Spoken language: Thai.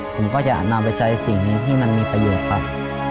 ผมก็จะนำไปใช้สิ่งนี้ที่มันมีประโยชน์ครับ